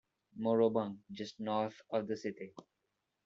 Morobung just north of the city.